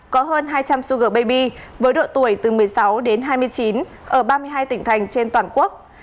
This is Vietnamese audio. có hơn hai trăm linh suger baby với độ tuổi từ một mươi sáu đến hai mươi chín ở ba mươi hai tỉnh thành trên toàn quốc